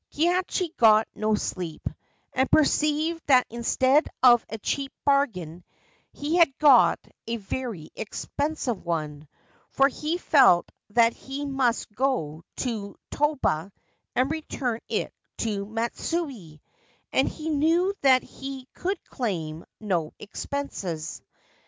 Kihachi got no sleep, and perceived that instead of a cheap bargain he had got a very expensive one ; for he felt that he must go to Toba and return it to Matsui, and he knew that he could claim no expenses.